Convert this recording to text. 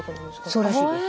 そうらしいです。